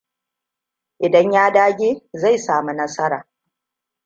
Idan ya dage zai samu nasara.